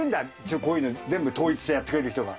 こういうのを全部統一してやってくれる人が。